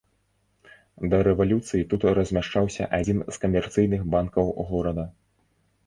Да рэвалюцыі тут размяшчаўся адзін з камерцыйных банкаў горада.